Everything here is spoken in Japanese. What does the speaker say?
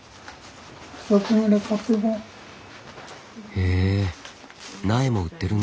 へえ苗も売ってるんだ。